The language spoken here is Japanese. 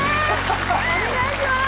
お願いします